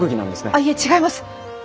あいえ違います！